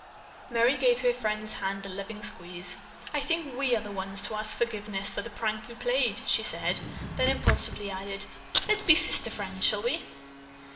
Merry gave her friend's hand a loving squeeze. "I think we are the ones to ask forgiveness for the prank we played," she said; then impulsively added: "Let's be sister friends, shall we?"